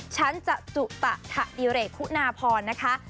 ฉันจะจุตะทะดิเรกคุณาพรนะคะ